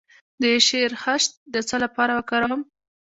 د شیرخشت د څه لپاره وکاروم؟